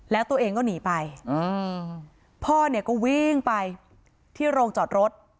แล้วตัวเองก็หนีไปพ่อเนี่ยก็วิ่งไปที่โรงจอดรถ